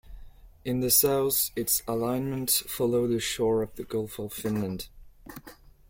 In the south its alignment follows the shore of the Gulf of Finland.